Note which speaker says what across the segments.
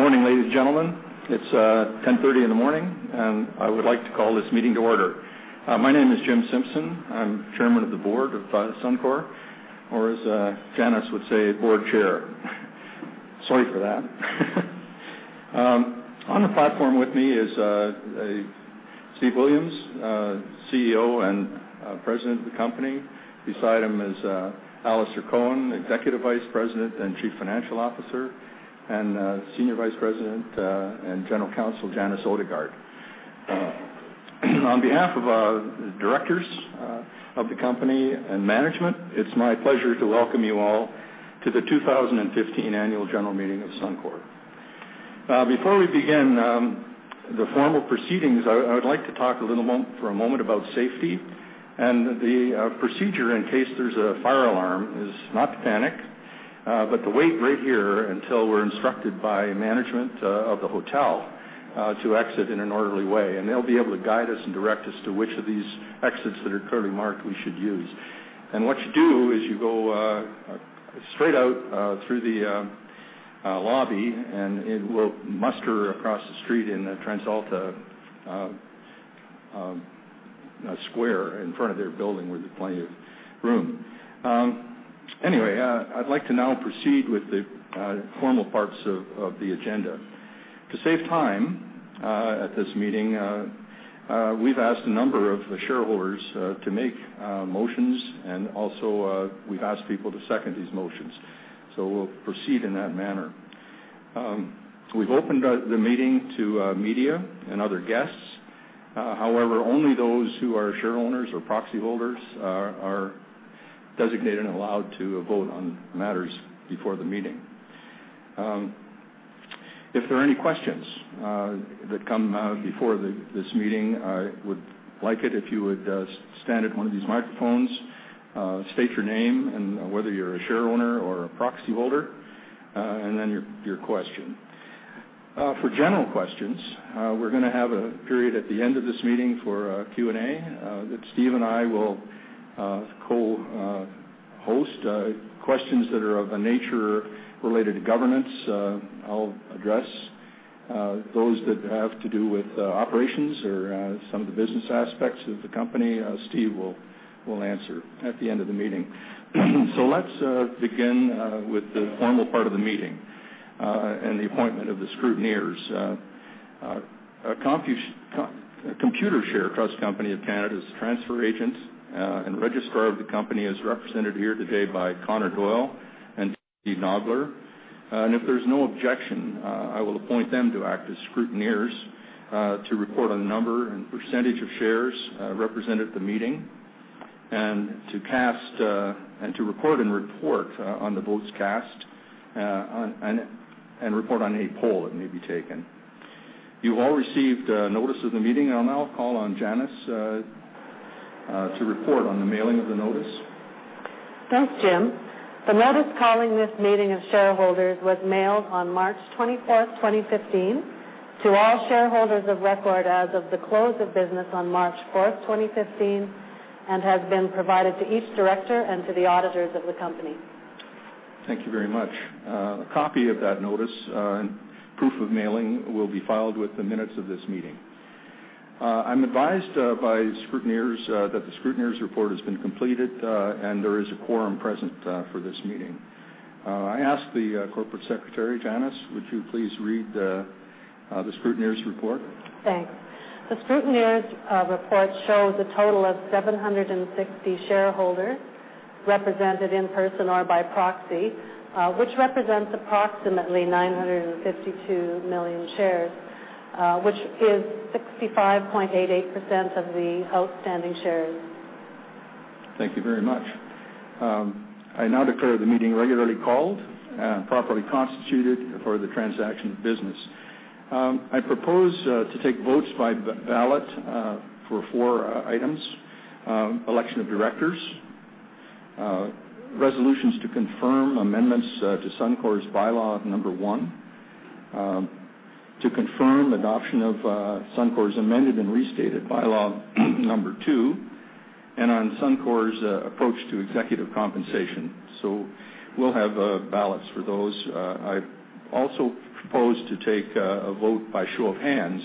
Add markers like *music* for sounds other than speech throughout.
Speaker 1: Good morning, ladies and gentlemen. It is 10:30 in the morning. I would like to call this meeting to order. My name is Jim Simpson. I am Chairman of the Board of Suncor, or as Janice would say, Board Chair. Sorry for that. On the platform with me is Steve Williams, CEO and President of the company. Beside him is Alister Cowan, Executive Vice President and Chief Financial Officer, and Senior Vice President, and General Counsel, Janice Odegaard. On behalf of the directors of the company and management, it is my pleasure to welcome you all to the 2015 Annual General Meeting of Suncor. Before we begin the formal proceedings, I would like to talk for a moment about safety and the procedure in case there is a fire alarm is not to panic, but to wait right here until we are instructed by management of the hotel to exit in an orderly way. They will be able to guide us and direct us to which of these exits that are clearly marked we should use. What you do is you go straight out through the lobby, and we will muster across the street in the TransAlta Square in front of their building, where there is plenty of room. Anyway, I would like to now proceed with the formal parts of the agenda. To save time at this meeting, we have asked a number of the shareholders to make motions, and also we have asked people to second these motions. We will proceed in that manner. We have opened the meeting to media and other guests. However, only those who are share owners or proxy holders are designated and allowed to vote on matters before the meeting. If there are any questions that come before this meeting, I would like it if you would stand at one of these microphones, state your name and whether you are a share owner or a proxy holder, and then your question. For general questions, we are going to have a period at the end of this meeting for Q&A that Steve and I will co-host. Questions that are of a nature related to governance, I will address. Those that have to do with operations or some of the business aspects of the company, Steve will answer at the end of the meeting. Let us begin with the formal part of the meeting and the appointment of the scrutineers. Computershare Trust Company of Canada's transfer agent and registrar of the company is represented here today by Connor Doyle and Steve Nogler. If there is no objection, I will appoint them to act as scrutineers to record a number and percentage of shares represented at the meeting and to record and report on the votes cast and report on any poll that may be taken. You all received notice of the meeting. I will now call on Janice to report on the mailing of the notice.
Speaker 2: Thanks, Jim. The notice calling this meeting of shareholders was mailed on March 24th, 2015, to all shareholders of record as of the close of business on March 4th, 2015, and has been provided to each director and to the auditors of the company.
Speaker 1: Thank you very much. A copy of that notice and proof of mailing will be filed with the minutes of this meeting. I'm advised by scrutineers that the scrutineers report has been completed, and there is a quorum present for this meeting. I ask the corporate secretary, Janice, would you please read the scrutineers report?
Speaker 2: Thanks. The scrutineers report shows a total of 760 shareholders represented in person or by proxy, which represents approximately 952 million shares, which is 65.88% of the outstanding shares.
Speaker 1: Thank you very much. I now declare the meeting regularly called and properly constituted for the transaction of business. I propose to take votes by ballot for four items, election of directors, resolutions to confirm amendments to Suncor's bylaw number 1, to confirm adoption of Suncor's amended and restated bylaw number 2, and on Suncor's approach to executive compensation. We'll have ballots for those. I also propose to take a vote by show of hands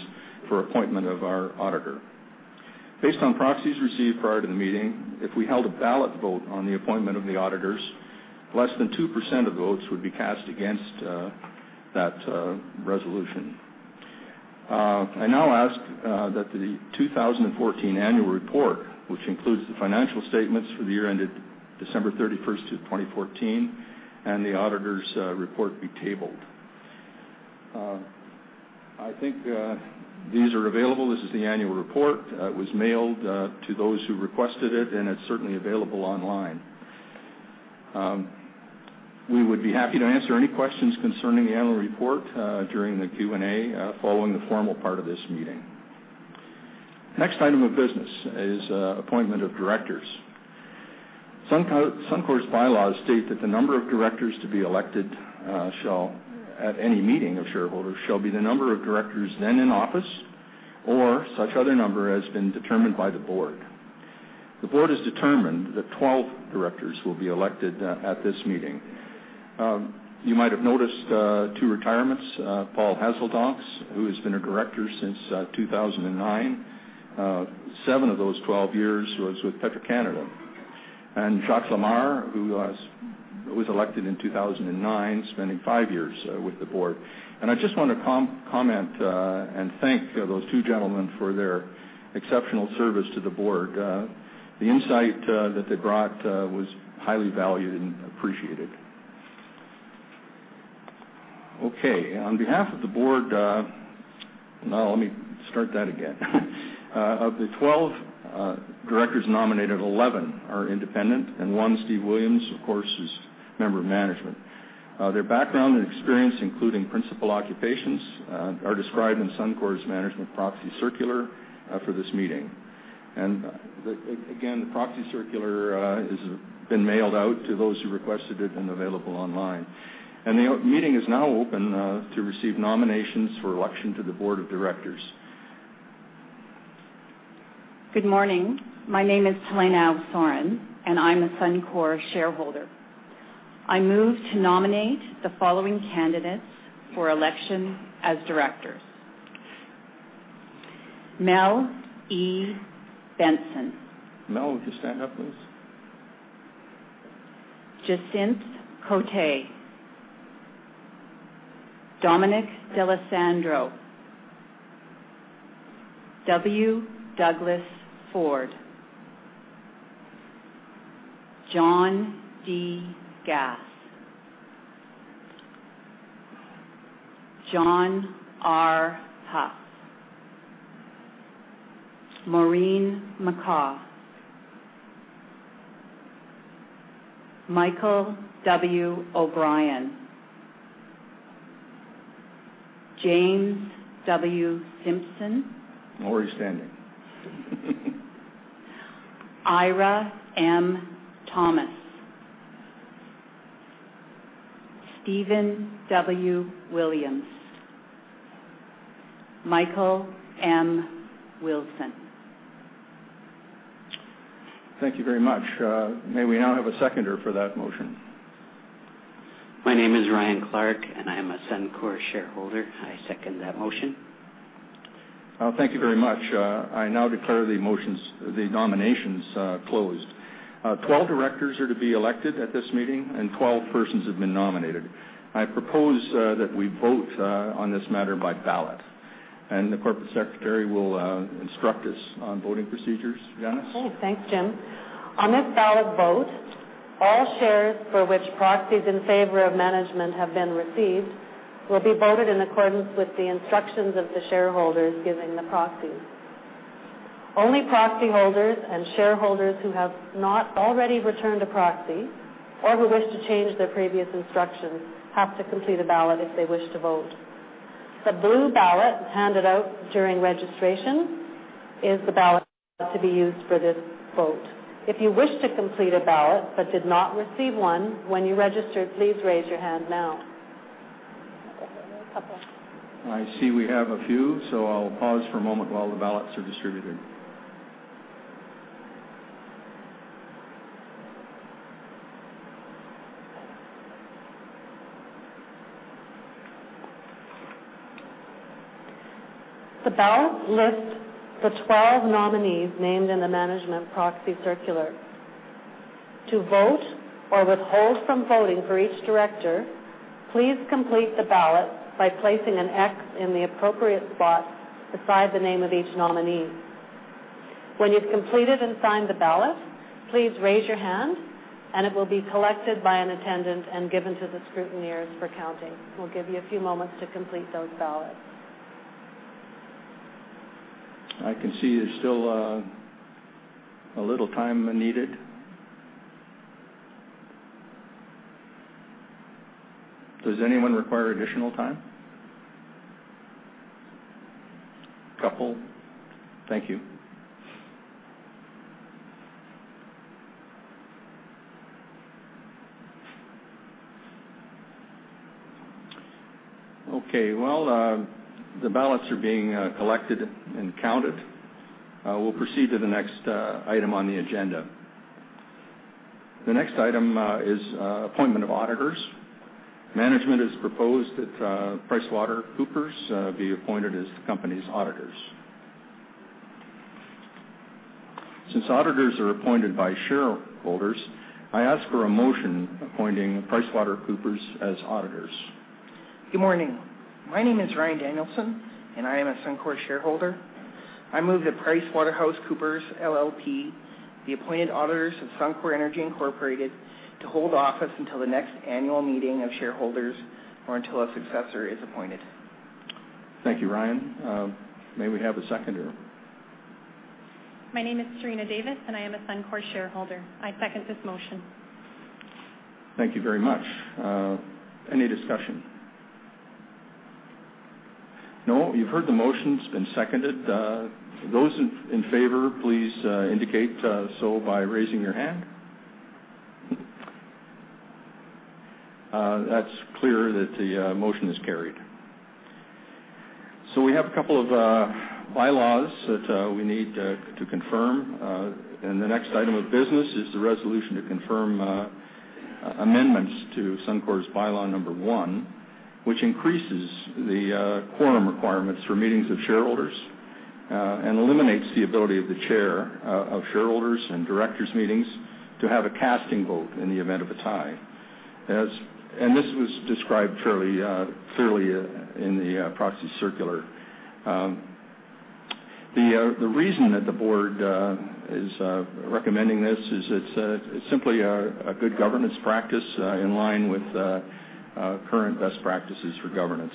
Speaker 1: for appointment of our auditor. Based on proxies received prior to the meeting, if we held a ballot vote on the appointment of the auditors, less than 2% of votes would be cast against that resolution. I now ask that the 2014 annual report, which includes the financial statements for the year ended December 31st of 2014, and the auditor's report be tabled. I think these are available. This is the annual report. It was mailed to those who requested it's certainly available online. We would be happy to answer any questions concerning the annual report during the Q&A following the formal part of this meeting. Next item of business is appointment of directors. Suncor's bylaws state that the number of directors to be elected at any meeting of shareholders shall be the number of directors then in office or such other number as been determined by the board. The board has determined that 12 directors will be elected at this meeting. You might have noticed two retirements, Paul Haseldonckx, who has been a director since 2009, seven of those 12 years was with Petro-Canada, and Jacques Lamarre, who was elected in 2009, spending five years with the board. I just want to comment and thank those two gentlemen for their exceptional service to the board. The insight that they brought was highly valued and appreciated. Of the 12 directors nominated, 11 are independent, and one, Steve Williams, of course, is a member of management. Their background and experience, including principal occupations, are described in Suncor's management proxy circular for this meeting. Again, the proxy circular has been mailed out to those who requested it and available online. The meeting is now open to receive nominations for election to the board of directors.
Speaker 3: Good morning. My name is Helena Soren, and I'm a Suncor shareholder. I move to nominate the following candidates for election as directors. Mel E. Benson.
Speaker 1: Mel, would you stand up, please?
Speaker 3: Jacynthe Côté. Dominic D'Alessandro. W. Douglas Ford. John D. Gass. John R. Huff. Maureen McCaw. Michael W. O'Brien. James W. Simpson.
Speaker 1: Already standing.
Speaker 3: Eira M. Thomas. Steven W. Williams. Michael M. Wilson.
Speaker 1: Thank you very much. May we now have a seconder for that motion?
Speaker 4: My name is Ryan Clark. I am a Suncor shareholder. I second that motion.
Speaker 1: Thank you very much. I now declare the nominations closed. 12 directors are to be elected at this meeting, 12 persons have been nominated. I propose that we vote on this matter by ballot, the corporate secretary will instruct us on voting procedures. Janice?
Speaker 2: Okay. Thanks, Jim. On this ballot vote, all shares for which proxies in favor of management have been received will be voted in accordance with the instructions of the shareholders giving the proxies. Only proxy holders and shareholders who have not already returned a proxy or who wish to change their previous instructions have to complete a ballot if they wish to vote. The blue ballot handed out during registration is the ballot to be used for this vote. If you wish to complete a ballot but did not receive one when you registered, please raise your hand now. Okay, there are a couple.
Speaker 1: I see we have a few. I'll pause for a moment while the ballots are distributed.
Speaker 2: The ballot lists the 12 nominees named in the management proxy circular. To vote or withhold from voting for each director, please complete the ballot by placing an X in the appropriate spot beside the name of each nominee. When you've completed and signed the ballot, please raise your hand, and it will be collected by an attendant and given to the scrutineers for counting. We'll give you a few moments to complete those ballots.
Speaker 1: I can see there's still a little time needed. Does anyone require additional time? Couple. Thank you. Okay, well, the ballots are being collected and counted. We'll proceed to the next item on the agenda. The next item is appointment of auditors. Management has proposed that PricewaterhouseCoopers be appointed as the company's auditors. Since auditors are appointed by shareholders, I ask for a motion appointing PricewaterhouseCoopers as auditors.
Speaker 5: Good morning. My name is Ryan Danielson, I am a Suncor shareholder. I move that PricewaterhouseCoopers LLP be appointed auditors of Suncor Energy Incorporated to hold office until the next annual meeting of shareholders or until a successor is appointed.
Speaker 1: Thank you, Ryan. May we have a seconder?
Speaker 6: My name is Serena Davis, and I am a Suncor shareholder. I second this motion.
Speaker 1: Thank you very much. Any discussion? No? You've heard the motion. It's been seconded. Those in favor, please indicate so by raising your hand. That's clear that the motion is carried. We have a couple of bylaws that we need to confirm. The next item of business is the resolution to confirm amendments to Suncor's bylaw number one, which increases the quorum requirements for meetings of shareholders and eliminates the ability of the chair of shareholders and directors meetings to have a casting vote in the event of a tie. This was described fairly clearly in the proxy circular. The reason that the board is recommending this is it's simply a good governance practice in line with current best practices for governance.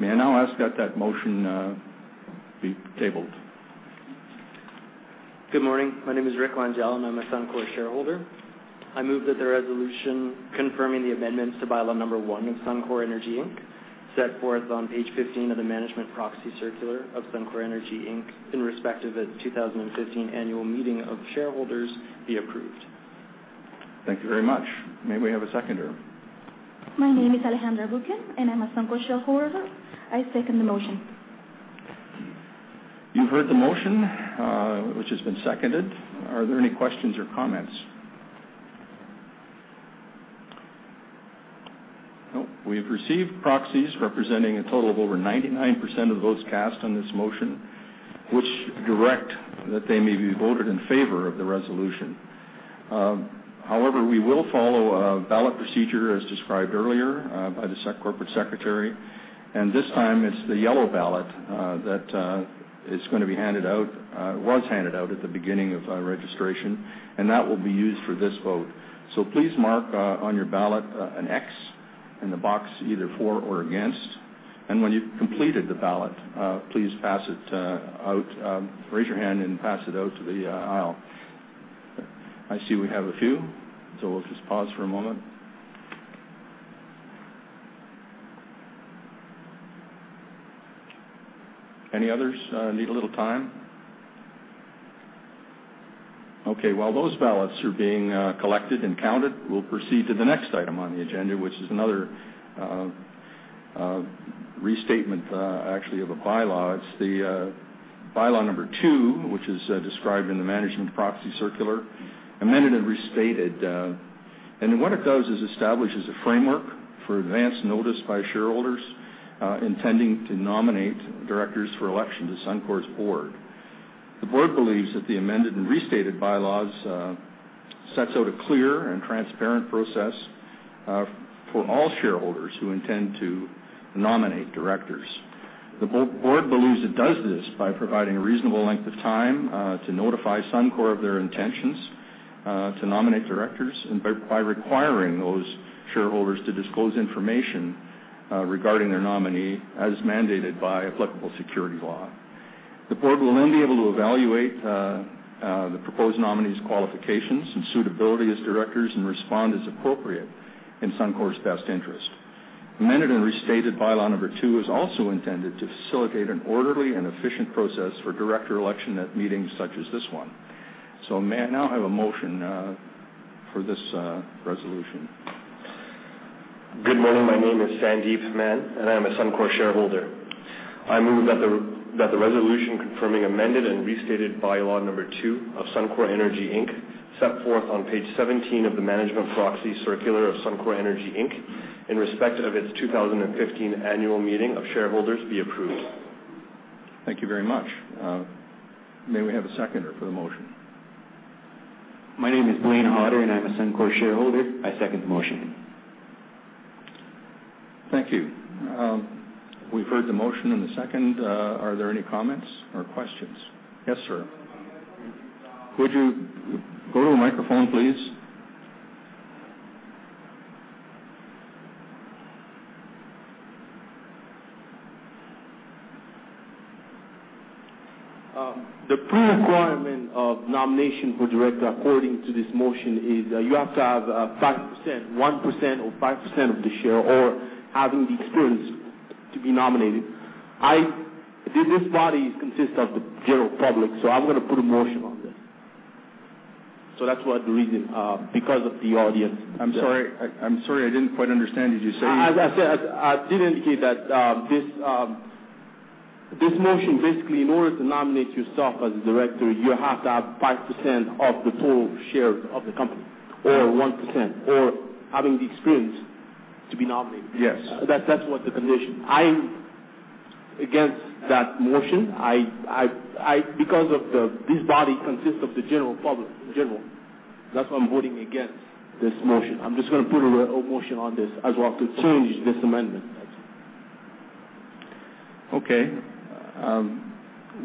Speaker 1: May I now ask that that motion be tabled?
Speaker 7: Good morning. My name is Rick Langel and I'm a Suncor shareholder. I move that the resolution confirming the amendments to bylaw number one of Suncor Energy Inc., set forth on page 15 of the management proxy circular of Suncor Energy Inc. in respect of its 2015 annual meeting of shareholders, be approved.
Speaker 1: Thank you very much. May we have a seconder?
Speaker 8: My name is Alejandra Buquin, and I'm a Suncor shareholder. I second the motion.
Speaker 1: You've heard the motion, which has been seconded. Are there any questions or comments? No. We have received proxies representing a total of over 99% of the votes cast on this motion, which direct that they be voted in favor of the resolution. However, we will follow a ballot procedure as described earlier by the corporate secretary. This time it's the yellow ballot that was handed out at the beginning of registration, and that will be used for this vote. Please mark on your ballot an X in the box, either for or against. When you've completed the ballot, please raise your hand and pass it out to the aisle. I see we have a few, so we'll just pause for a moment. Any others need a little time? Okay, while those ballots are being collected and counted, we'll proceed to the next item on the agenda, which is another restatement, actually, of a bylaw. It's the bylaw number 2, which is described in the management proxy circular, amended and restated. What it does is establishes a framework for advance notice by shareholders intending to nominate directors for election to Suncor's board. The board believes that the amended and restated bylaws sets out a clear and transparent process for all shareholders who intend to nominate directors. The board believes it does this by providing a reasonable length of time to notify Suncor of their intentions to nominate directors and by requiring those shareholders to disclose information regarding their nominee as mandated by applicable security law. The board will then be able to evaluate the proposed nominees' qualifications and suitability as directors and respond as appropriate in Suncor's best interest. Amended and restated bylaw number 2 is also intended to facilitate an orderly and efficient process for director election at meetings such as this one. May I now have a motion for this resolution?
Speaker 9: Good morning. My name is Sandeep Mann, and I'm a Suncor shareholder. I move that the resolution confirming amended and restated bylaw number 2 of Suncor Energy Inc., set forth on page 17 of the management proxy circular of Suncor Energy Inc., in respect of its 2015 annual meeting of shareholders, be approved.
Speaker 1: Thank you very much. May we have a seconder for the motion?
Speaker 10: My name is Blaine Hodder, and I'm a Suncor shareholder. I second the motion.
Speaker 1: Thank you. We've heard the motion and the second. Are there any comments or questions? Yes, sir. Could you go to a microphone, please?
Speaker 11: The pre-requirement of nomination for director according to this motion is you have to have 1% or 5% of the share or have the experience to be nominated. This body consists of the general public, I'm going to put a motion on this. That's the reason, because of the audience.
Speaker 1: I'm sorry. I didn't quite understand. Did you say-
Speaker 11: As I said, I did indicate that this motion basically, in order to nominate yourself as a director, you have to have 5% of the total shares of the company, or 1%, or have the experience to be nominated.
Speaker 1: Yes.
Speaker 11: That's what the condition. I'm against that motion. This body consists of the general public in general. That's why I'm voting against this motion. I'm just going to put a motion on this as well to change this amendment.
Speaker 1: Okay.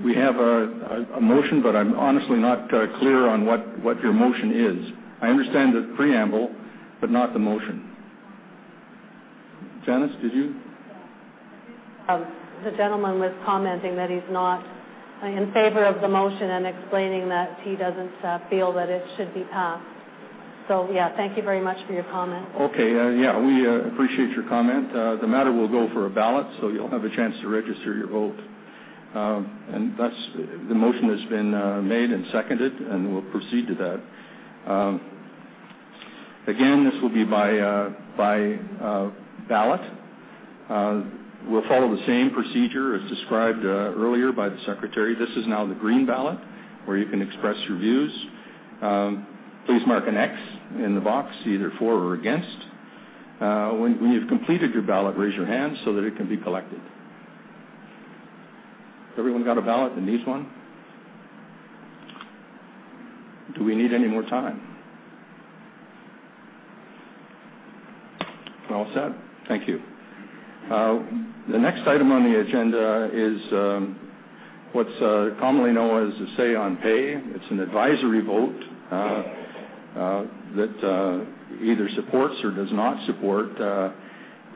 Speaker 1: We have a motion. I'm honestly not clear on what your motion is. I understand the preamble, but not the motion. Janice, did you
Speaker 2: The gentleman was commenting that he's not in favor of the motion and explaining that he doesn't feel that it should be passed. Thank you very much for your comment.
Speaker 1: Okay. We appreciate your comment. The matter will go for a ballot. You'll have a chance to register your vote. Thus, the motion has been made and seconded. We'll proceed to that. Again, this will be by ballot. We'll follow the same procedure as described earlier by the secretary. This is now the green ballot, where you can express your views. Please mark an X in the box, either for or against. When you've completed your ballot, raise your hand so that it can be collected. Has everyone got a ballot that needs one? Do we need any more time? All set. Thank you. The next item on the agenda is what's commonly known as the say on pay. It's an advisory vote that either supports or does not support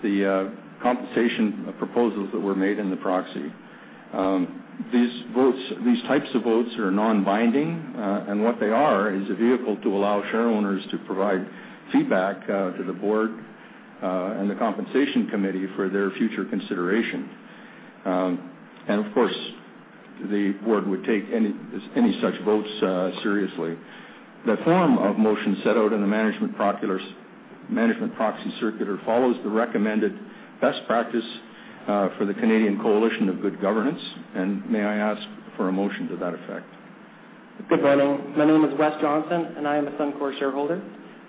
Speaker 1: the compensation proposals that were made in the proxy. These types of votes are non-binding. What they are is a vehicle to allow shareowners to provide feedback to the board and the compensation committee for their future consideration. Of course, the board would take any such votes seriously. The form of motion set out in the management proxy circular follows the recommended best practice for the Canadian Coalition for Good Governance. May I ask for a motion to that effect?
Speaker 12: Good morning. My name is Wes Johnson, and I am a Suncor shareholder.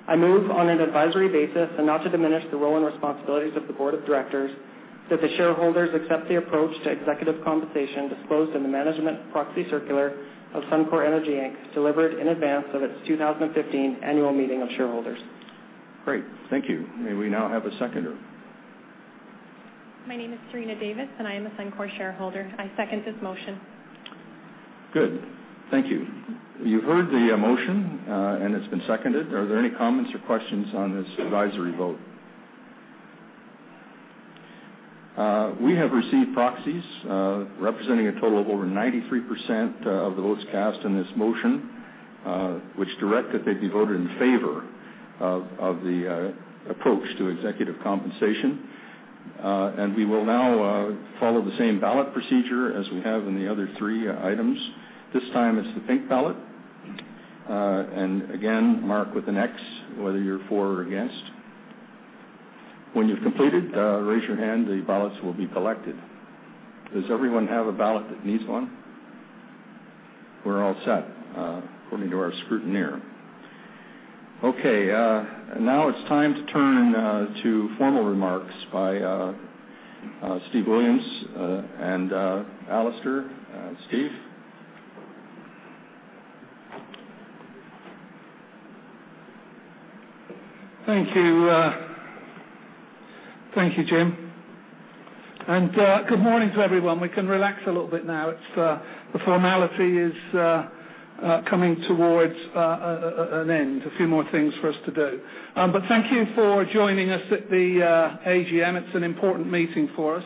Speaker 12: I move on an advisory basis and not to diminish the role and responsibilities of the Board of Directors that the shareholders accept the approach to executive compensation disclosed in the management proxy circular of Suncor Energy Inc., delivered in advance of its 2015 annual meeting of shareholders.
Speaker 1: Great. Thank you. May we now have a seconder?
Speaker 6: My name is Serena Davis, and I am a Suncor shareholder. I second this motion.
Speaker 1: Good. Thank you. You heard the motion, and it's been seconded. Are there any comments or questions on this advisory vote? We have received proxies representing a total of over 93% of the votes cast in this motion, which direct that they be voted in favor of the approach to executive compensation. We will now follow the same ballot procedure as we have in the other three items. This time it's the pink ballot. Again, mark with an X, whether you're for or against. When you've completed, raise your hand. The ballots will be collected. Does everyone have a ballot that needs one? We're all set according to our scrutineer. Okay. Now it's time to turn to formal remarks by Steve Williams and Alister. Steve?
Speaker 13: Thank you, Jim. Good morning to everyone. We can relax a little bit now. The formality is coming towards an end. A few more things for us to do. Thank you for joining us at the AGM. It's an important meeting for us.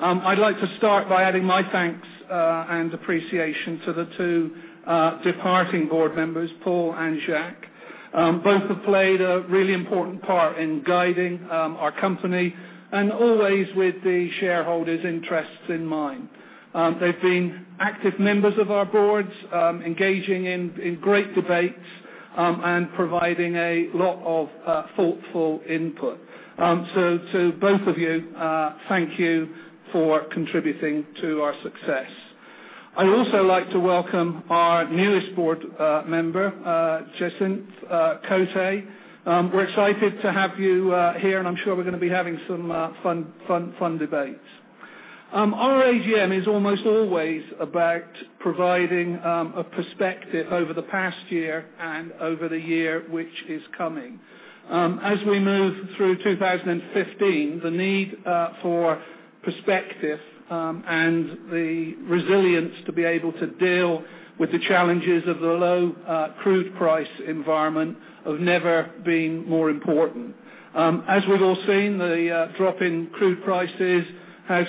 Speaker 13: I'd like to start by adding my thanks and appreciation to the two departing board members, Paul and Jacques. Both have played a really important part in guiding our company and always with the shareholders' interests in mind. They've been active members of our boards, engaging in great debates, and providing a lot of thoughtful input. To both of you, thank you for contributing to our success. I'd also like to welcome our newest board member, Jacynthe Côté. We're excited to have you here, and I'm sure we're going to be having some fun debates. Our AGM is almost always about providing a perspective over the past year and over the year, which is coming. As we move through 2015, the need for perspective and the resilience to be able to deal with the challenges of the low crude price environment have never been more important. As we've all seen, the drop in crude prices has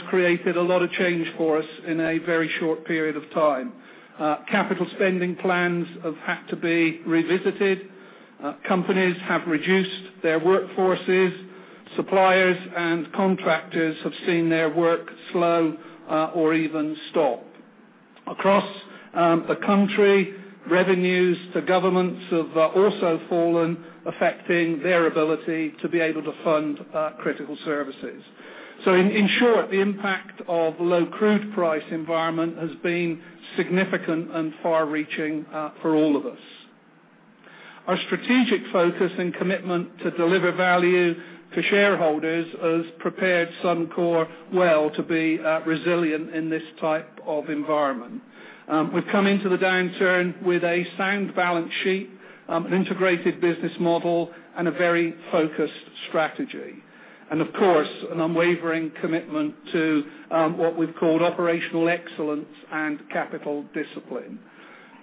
Speaker 13: created a lot of change for us in a very short period of time. Capital spending plans have had to be revisited. Companies have reduced their workforces. Suppliers and contractors have seen their work slow or even stop. Across the country, revenues to governments have also fallen, affecting their ability to be able to fund critical services. In short, the impact of the low crude price environment has been significant and far-reaching for all of us. Our strategic focus and commitment to deliver value to shareholders has prepared Suncor well to be resilient in this type of environment. We've come into the downturn with a sound balance sheet, an integrated business model, and a very focused strategy. Of course, an unwavering commitment to what we've called operational excellence and capital discipline.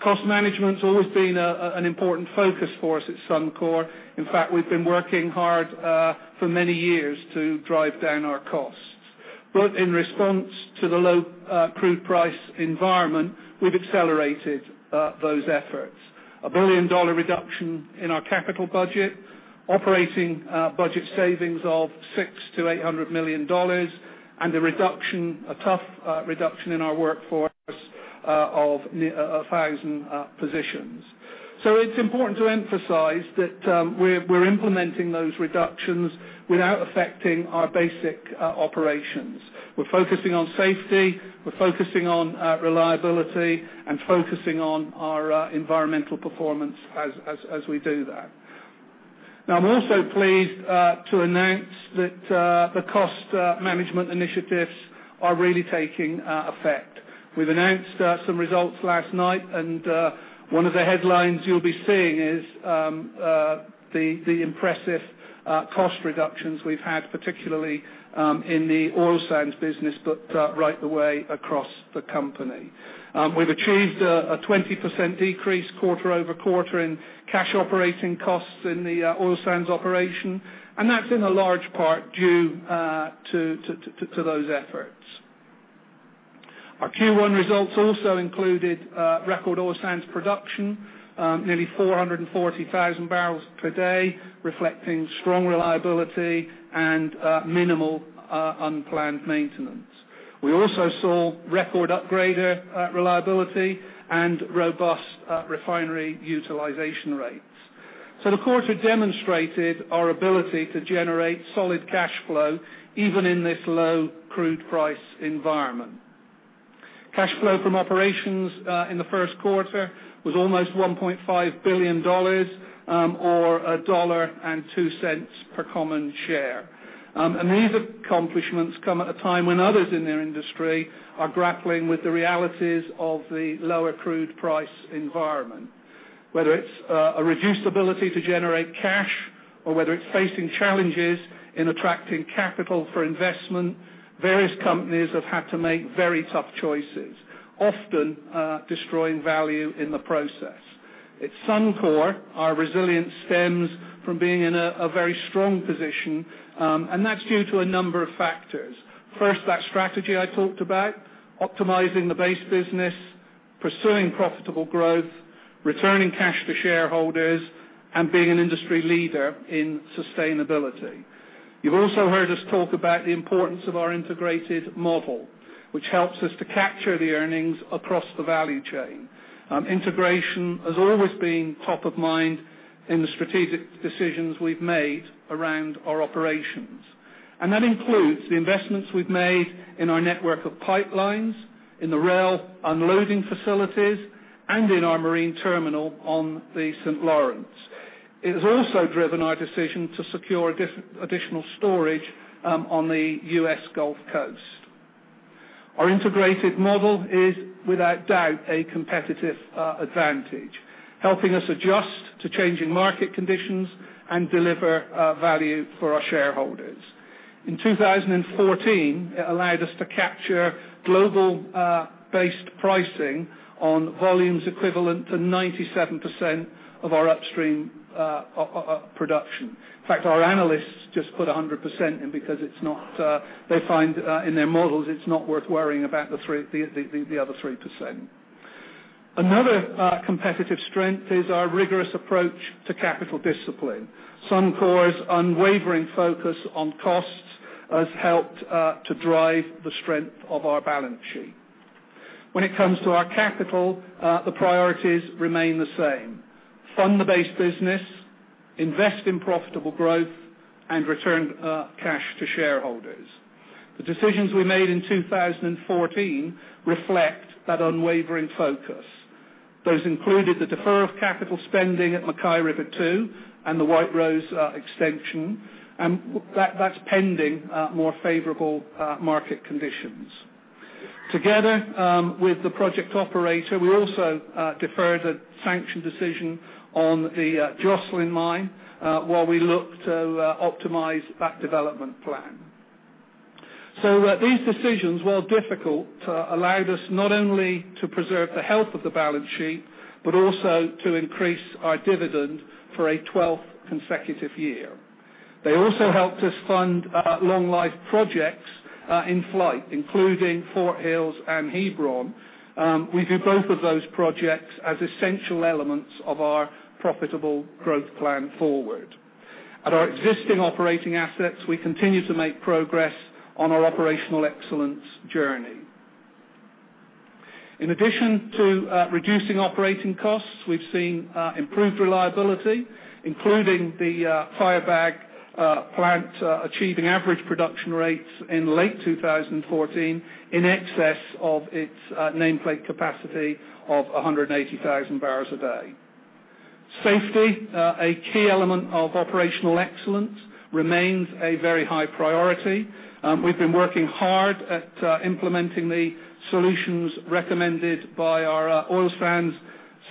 Speaker 13: Cost management's always been an important focus for us at Suncor. In fact, we've been working hard for many years to drive down our costs. In response to the low crude price environment, we've accelerated those efforts. A billion-dollar reduction in our capital budget Operating budget savings of 600 million-800 million dollars, and a tough reduction in our workforce of 1,000 positions. It's important to emphasize that we're implementing those reductions without affecting our basic operations. We're focusing on safety, we're focusing on reliability, and focusing on our environmental performance as we do that. I'm also pleased to announce that the cost management initiatives are really taking effect. We've announced some results last night, one of the headlines you'll be seeing is the impressive cost reductions we've had, particularly in the oil sands business, but right the way across the company. We've achieved a 20% decrease quarter-over-quarter in cash operating costs in the oil sands operation, and that's in a large part due to those efforts. Our Q1 results also included record oil sands production, nearly 440,000 barrels per day, reflecting strong reliability and minimal unplanned maintenance. We also saw record upgrader reliability and robust refinery utilization rates. The quarter demonstrated our ability to generate solid cash flow, even in this low crude price environment. Cash flow from operations in the first quarter was almost 1.5 billion dollars, or 1.02 dollar per common share. These accomplishments come at a time when others in their industry are grappling with the realities of the lower crude price environment. Whether it's a reduced ability to generate cash or whether it's facing challenges in attracting capital for investment, various companies have had to make very tough choices, often destroying value in the process. At Suncor, our resilience stems from being in a very strong position, and that's due to a number of factors. First, that strategy I talked about, optimizing the base business, pursuing profitable growth, returning cash to shareholders, and being an industry leader in sustainability. You've also heard us talk about the importance of our integrated model, which helps us to capture the earnings across the value chain. Integration has always been top of mind in the strategic decisions we've made around our operations. That includes the investments we've made in our network of pipelines, in the rail unloading facilities, and in our marine terminal on the St. Lawrence. It has also driven our decision to secure additional storage on the U.S. Gulf Coast. Our integrated model is, without doubt, a competitive advantage, helping us adjust to changing market conditions and deliver value for our shareholders. In 2014, it allowed us to capture global-based pricing on volumes equivalent to 97% of our upstream production. In fact, our analysts just put 100% in because they find in their models it's not worth worrying about the other 3%. Another competitive strength is our rigorous approach to capital discipline. Suncor's unwavering focus on costs has helped to drive the strength of our balance sheet. When it comes to our capital, the priorities remain the same. Fund the base business, invest in profitable growth, and return cash to shareholders. The decisions we made in 2014 reflect that unwavering focus. Those included the deferral of capital spending at MacKay River 2 and the White Rose extension, and that's pending more favorable market conditions. Together with the project operator, we also deferred a sanction decision on the Joslyn mine while we look to optimize that development plan. These decisions, while difficult, allowed us not only to preserve the health of the balance sheet, but also to increase our dividend for a 12th consecutive year. They also helped us fund long-life projects in flight, including Fort Hills and Hebron. We view both of those projects as essential elements of our profitable growth plan forward. At our existing operating assets, we continue to make progress on our operational excellence journey. In addition to reducing operating costs, we've seen improved reliability, including the Firebag plant achieving average production rates in late 2014 in excess of its nameplate capacity of 180,000 barrels a day. Safety, a key element of operational excellence, remains a very high priority. We've been working hard at implementing the solutions recommended by our Oil Sands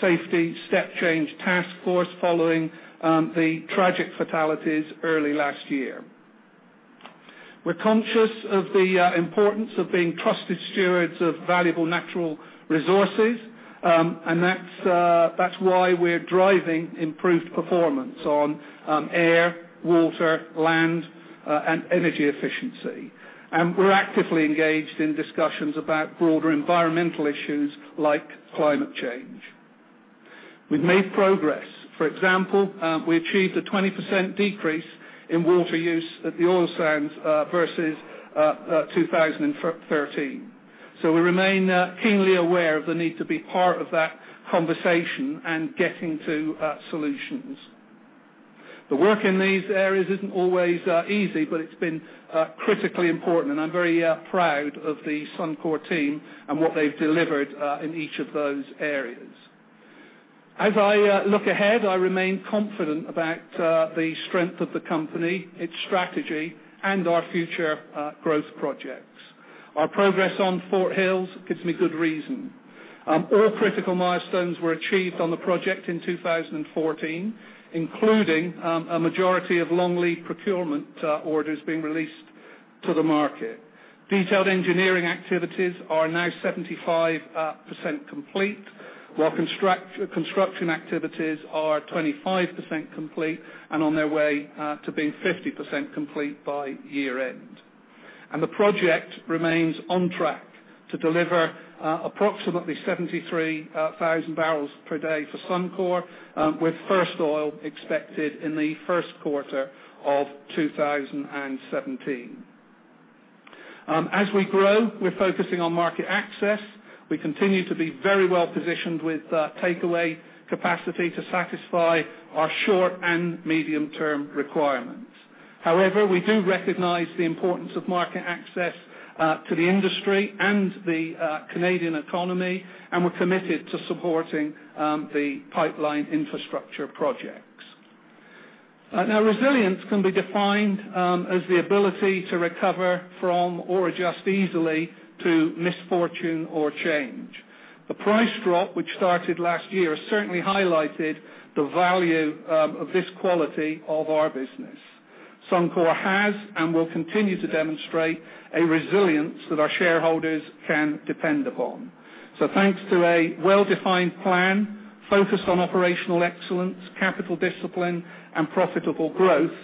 Speaker 13: Safety Step Change Task Force following the tragic fatalities early last year. We're conscious of the importance of being trusted stewards of valuable natural resources, and that's why we're driving improved performance on air, water, land, and energy efficiency. We're actively engaged in discussions about broader environmental issues like climate change. We've made progress. For example, we achieved a 20% decrease in water use at the oil sands versus 2013. We remain keenly aware of the need to be part of that conversation and getting to solutions. The work in these areas isn't always easy, but it's been critically important, and I'm very proud of the Suncor team and what they've delivered in each of those areas. As I look ahead, I remain confident about the strength of the company, its strategy, and our future growth projects. Our progress on Fort Hills gives me good reason. All critical milestones were achieved on the project in 2014, including a majority of long-lead procurement orders being released to the market. Detailed engineering activities are now 75% complete, while construction activities are 25% complete and on their way to being 50% complete by year-end. The project remains on track to deliver approximately 73,000 barrels per day for Suncor, with first oil expected in the first quarter of 2017. As we grow, we're focusing on market access. We continue to be very well-positioned with takeaway capacity to satisfy our short and medium-term requirements. However, we do recognize the importance of market access to the industry and the Canadian economy, and we're committed to supporting the pipeline infrastructure projects. Now, resilience can be defined as the ability to recover from or adjust easily to misfortune or change. The price drop, which started last year, has certainly highlighted the value of this quality of our business. Suncor has, and will continue, to demonstrate a resilience that our shareholders can depend upon. Thanks to a well-defined plan focused on operational excellence, capital discipline, and profitable growth,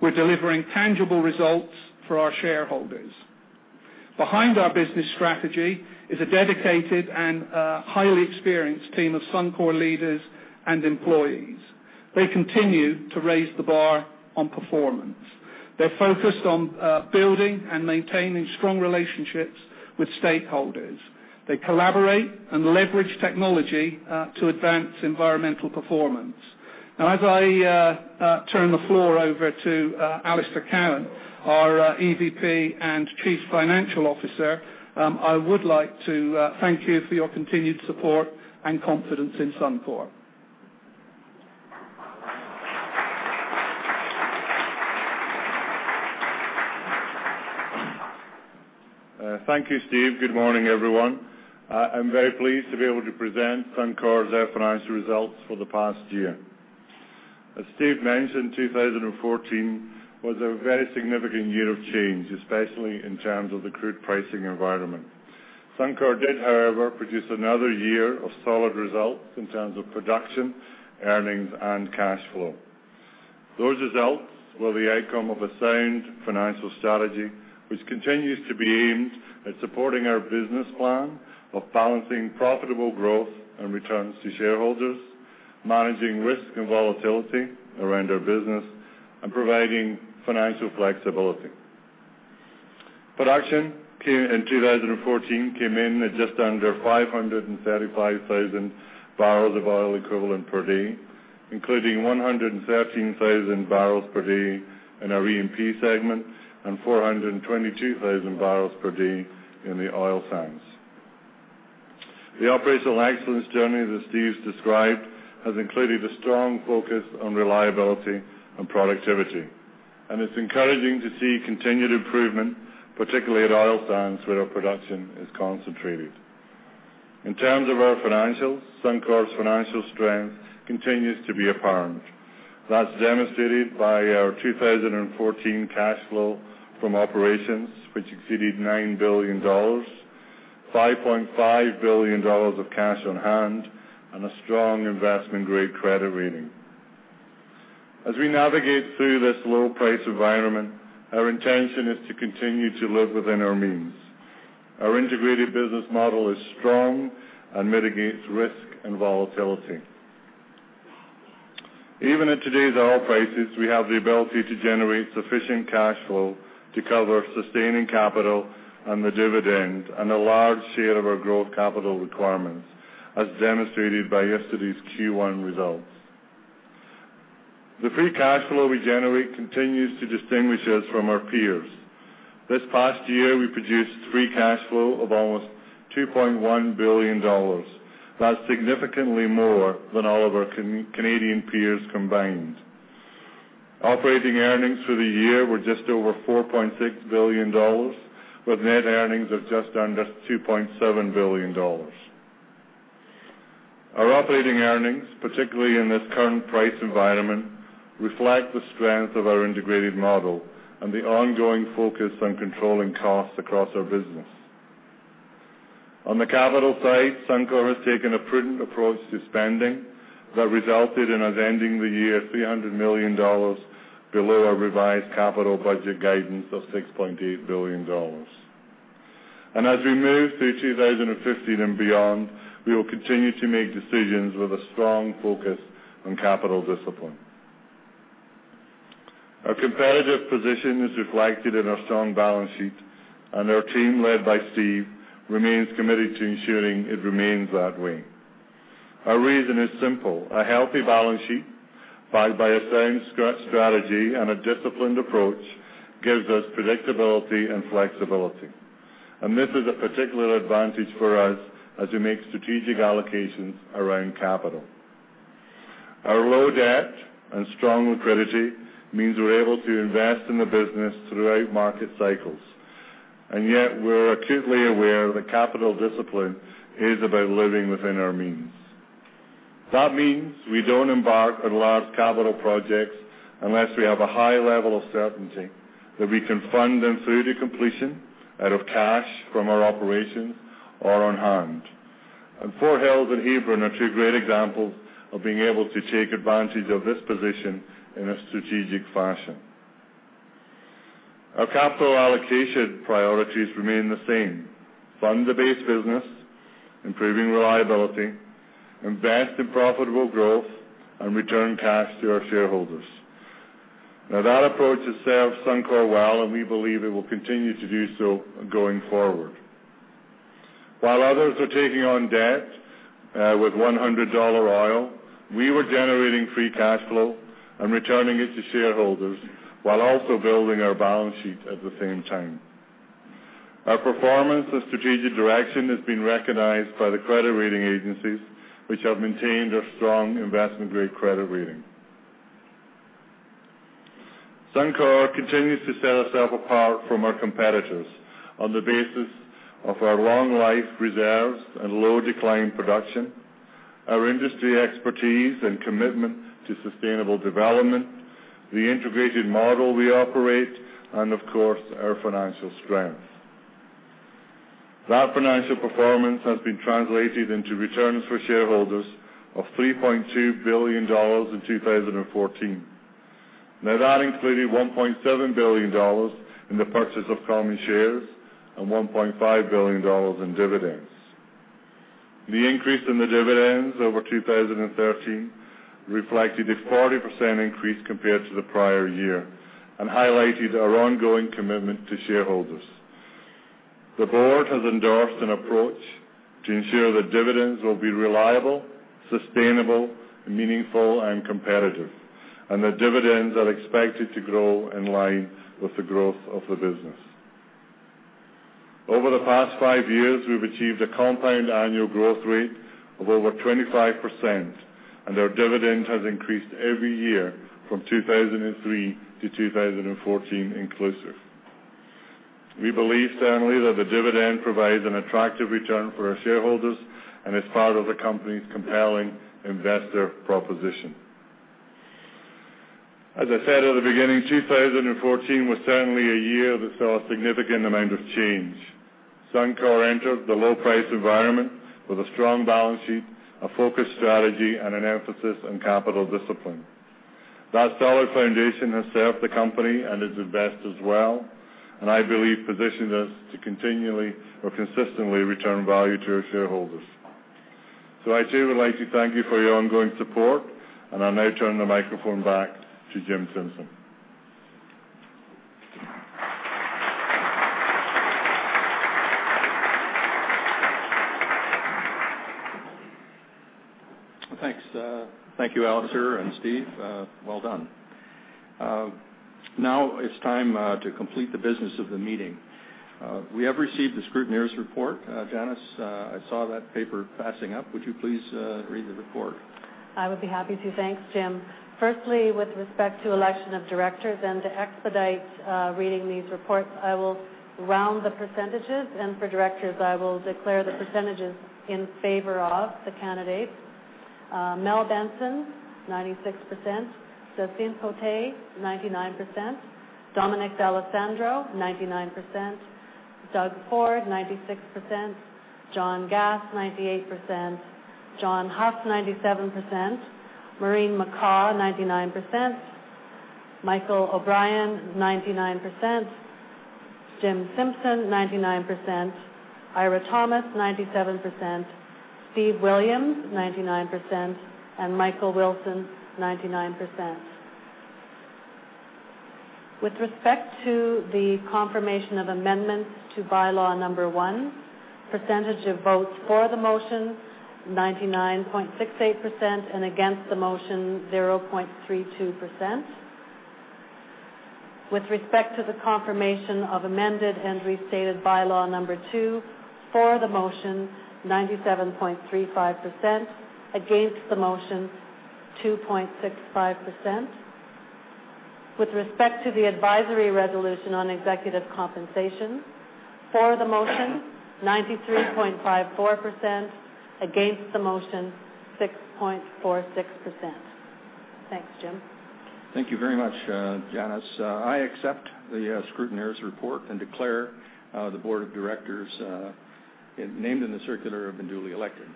Speaker 13: we're delivering tangible results for our shareholders. Behind our business strategy is a dedicated and highly experienced team of Suncor leaders and employees. They continue to raise the bar on performance. They're focused on building and maintaining strong relationships with stakeholders. They collaborate and leverage technology to advance environmental performance. Now, as I turn the floor over to Alister Cowan, our EVP and Chief Financial Officer, I would like to thank you for your continued support and confidence in Suncor.
Speaker 14: Thank you, Steve. Good morning, everyone. I am very pleased to be able to present Suncor's financial results for the past year. As Steve mentioned, 2014 was a very significant year of change, especially in terms of the crude pricing environment. Suncor did, however, produce another year of solid results in terms of production, earnings, and cash flow. Those results were the outcome of a sound financial strategy, which continues to be aimed at supporting our business plan of balancing profitable growth and returns to shareholders, managing risk and volatility around our business, and providing financial flexibility. Production in 2014 came in at just under 535,000 barrels of oil equivalent per day, including 113,000 barrels per day in our E&P segment and 422,000 barrels per day in the oil sands. The operational excellence journey that Steve's described has included a strong focus on reliability and productivity, and it's encouraging to see continued improvement, particularly at oil sands, where our production is concentrated. In terms of our financials, Suncor's financial strength continues to be apparent. That's demonstrated by our 2014 cash flow from operations, which exceeded CAD 9 billion, CAD 5.5 billion of cash on hand, and a strong investment-grade credit rating. As we navigate through this low-price environment, our intention is to continue to live within our means. Our integrated business model is strong and mitigates risk and volatility. Even at today's oil prices, we have the ability to generate sufficient cash flow to cover sustaining capital and the dividend and a large share of our growth capital requirements, as demonstrated by yesterday's Q1 results. The free cash flow we generate continues to distinguish us from our peers. This past year, we produced free cash flow of almost 2.1 billion dollars. That's significantly more than all of our Canadian peers combined. Operating earnings for the year were just over 4.6 billion dollars, with net earnings of just under 2.7 billion dollars. Our operating earnings, particularly in this current price environment, reflect the strength of our integrated model and the ongoing focus on controlling costs across our business. On the capital side, Suncor has taken a prudent approach to spending that resulted in us ending the year 300 million dollars below our revised capital budget guidance of 6.8 billion dollars. As we move through 2015 and beyond, we will continue to make decisions with a strong focus on capital discipline. Our competitive position is reflected in our strong balance sheet, and our team, led by Steve, remains committed to ensuring it remains that way. Our reason is simple. A healthy balance sheet backed by a sound strategy and a disciplined approach gives us predictability and flexibility. This is a particular advantage for us as we make strategic allocations around capital. Our low debt and strong liquidity means we're able to invest in the business throughout market cycles, and yet we're acutely aware that capital discipline is about living within our means. That means we don't embark on large capital projects unless we have a high level of certainty that we can fund them through to completion out of cash from our operations or on hand. Fort Hills and Hebron are two great examples of being able to take advantage of this position in a strategic fashion. Our capital allocation priorities remain the same: fund the base business, improving reliability, invest in profitable growth, and return cash to our shareholders. That approach has served Suncor well, and we believe it will continue to do so going forward. While others are taking on debt with 100 dollar oil, we were generating free cash flow and returning it to shareholders while also building our balance sheet at the same time. Our performance and strategic direction has been recognized by the credit rating agencies, which have maintained our strong investment-grade credit rating. Suncor continues to set ourselves apart from our competitors on the basis of our long life reserves and low decline production, our industry expertise and commitment to sustainable development, the integrated model we operate, and of course, our financial strength. That financial performance has been translated into returns for shareholders of 3.2 billion dollars in 2014. That included 1.7 billion dollars in the purchase of common shares and 1.5 billion dollars in dividends. The increase in the dividends over 2013 reflected a 40% increase compared to the prior year and highlighted our ongoing commitment to shareholders. The board has endorsed an approach to ensure that dividends will be reliable, sustainable, meaningful, and competitive, and that dividends are expected to grow in line with the growth of the business. Over the past five years, we've achieved a compound annual growth rate of over 25%, and our dividend has increased every year from 2003 to 2014 inclusive. We believe, certainly, that the dividend provides an attractive return for our shareholders and is part of the company's compelling investor proposition. As I said at the beginning, 2014 was certainly a year that saw a significant amount of change. Suncor entered the low-price environment with a strong balance sheet, a focused strategy, and an emphasis on CapEx discipline. That solid foundation has served the company and its investors well. I believe positions us to continually or consistently return value to our shareholders. I, too, would like to thank you for your ongoing support, and I'll now turn the microphone back to Jim Simpson.
Speaker 1: Thanks. Thank you, Alister and Steve. Well done. Now it's time to complete the business of the meeting. We have received the scrutineer's report. Janice, I saw that paper passing up. Would you please read the report?
Speaker 2: I would be happy to. Thanks, Jim. Firstly, with respect to election of directors and to expedite reading these reports, I will round the percentages, and for directors, I will declare the percentages in favor of the candidates. Mel Benson, 96%. Jacynthe Côté, 99%. Dominic D'Alessandro, 99%. Doug Ford, 96%. John Gass, 98%. John Huff, 97%. Maureen McCaw, 99%. Michael O'Brien, 99%. Jim Simpson, 99%. Eira Thomas, 97%. Steve Williams, 99%. Michael Wilson, 99%. With respect to the confirmation of amendments to bylaw number one, percentage of votes for the motion, 99.68%, against the motion, 0.32%. With respect to the confirmation of amended and restated bylaw number two, for the motion, 97.35%, against the motion, 2.65%. With respect to the advisory resolution on executive compensation, for the motion, 93.54%, against the motion, 6.46%.
Speaker 13: Thanks, Jim.
Speaker 1: Thank you very much, Janice. I accept the scrutineer's report and declare the board of directors named in the circular have been duly elected.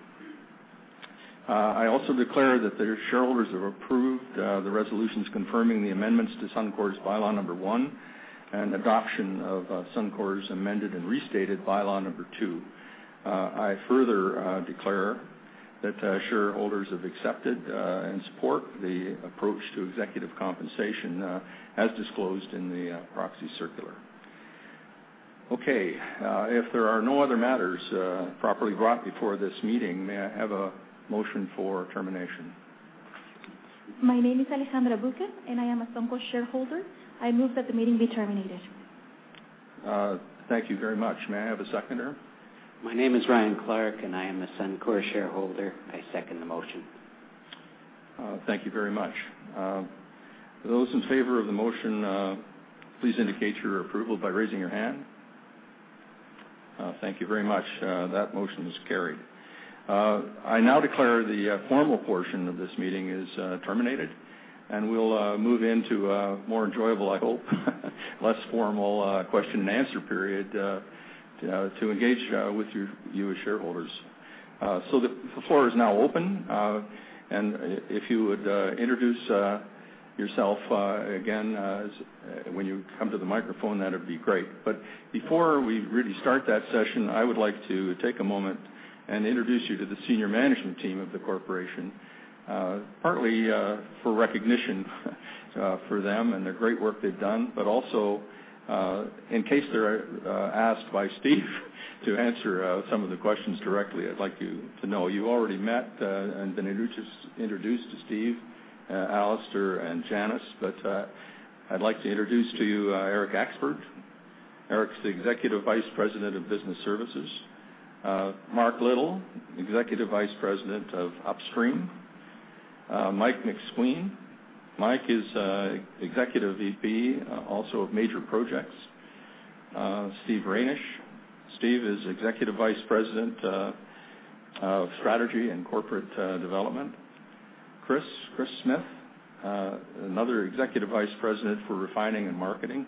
Speaker 1: I also declare that the shareholders have approved the resolutions confirming the amendments to Suncor's bylaw number one and adoption of Suncor's amended and restated bylaw number two. I further declare that shareholders have accepted and support the approach to executive compensation as disclosed in the proxy circular. Okay, if there are no other matters properly brought before this meeting, may I have a motion for termination?
Speaker 15: My name is Alexandra Buchet, and I am a Suncor shareholder. I move that the meeting be terminated.
Speaker 1: Thank you very much. May I have a seconder?
Speaker 4: My name is Ryan Clark, and I am a Suncor shareholder. I second the motion.
Speaker 1: Thank you very much. Those in favor of the motion, please indicate your approval by raising your hand. Thank you very much. That motion is carried. I now declare the formal portion of this meeting is terminated, and we'll move into a more enjoyable, I hope, less formal question and answer period to engage with you as shareholders. The floor is now open, and if you would introduce yourself again when you come to the microphone, that'd be great. Before we really start that session, I'd like to take a moment and introduce you to the senior management team of the corporation, partly for recognition for them and the great work they've done, but also in case they're asked by Steve to answer some of the questions directly, I'd like you to know you already met and been introduced to Steve, Alister, and Janice. I'd like to introduce to you Eric Axford. Eric's the Executive Vice President of Business Services. Mark Little, Executive Vice President of Upstream. Mike MacSween. Mike is Executive VP also of Major Projects. Steve Reynish. Steve is Executive Vice President of Strategy and Corporate Development. Kris Smith, another Executive Vice President for Refining and Marketing,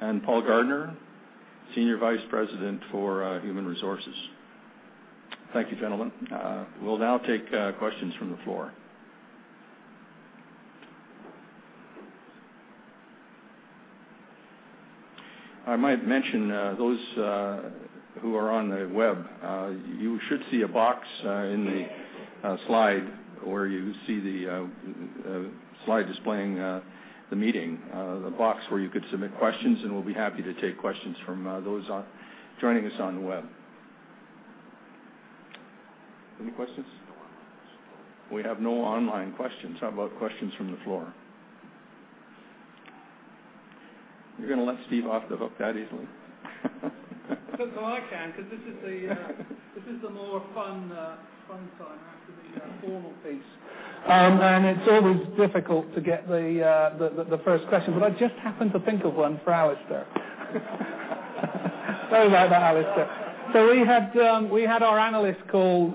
Speaker 1: and Paul Gardner, Senior Vice President for Human Resources. Thank you, gentlemen. We'll now take questions from the floor. I might mention those who are on the web, you should see a box in the slide where you see the slide displaying the meeting, the box where you could submit questions, and we'll be happy to take questions from those joining us on the web. Any questions?
Speaker 16: No online questions.
Speaker 1: We have no online questions. How about questions from the floor? You're going to let Steve off the hook that easily?
Speaker 13: I can, because this is the more fun time after the formal piece. It's always difficult to get the first question, but I just happened to think of one for Alister. Sorry about that, Alister. We had our analyst call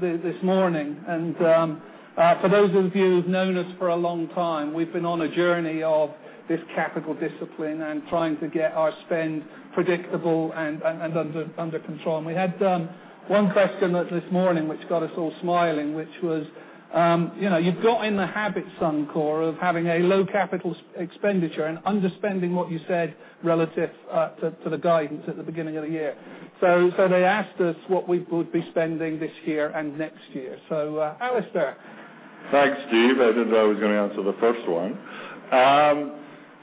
Speaker 13: this morning, and for those of you who've known us for a long time, we've been on a journey of this capital discipline and trying to get our spend predictable and under control. We had one question this morning, which got us all smiling, which was, you've got in the habit, Suncor, of having a low capital expenditure and underspending what you said relative to the guidance at the beginning of the year. They asked us what we would be spending this year and next year. Alister.
Speaker 14: Thanks, Steve. I didn't know I was going to answer the first one.